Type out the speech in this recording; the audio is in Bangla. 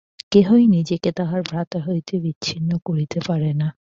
কেহই নিজেকে তাহার ভ্রাতা হইতে বিচ্ছিন্ন করিতে পারে না।